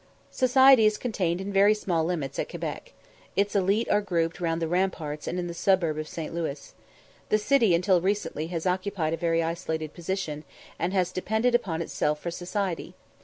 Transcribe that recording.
Society is contained in very small limits at Quebec. Its élite are grouped round the ramparts and in the suburb of St. Louis. The city until recently has occupied a very isolated position, and has depended upon itself for society.